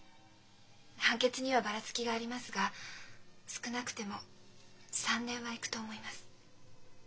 判決にはバラつきがありますが少なくても３年はいくと思います。